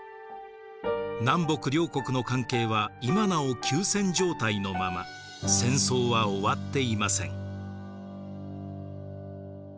南北両国の関係は今なお休戦状態のまま戦争は終わっていません。